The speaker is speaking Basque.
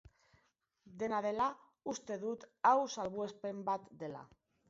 Dena dela, uste dut hau salbuespen bat dela.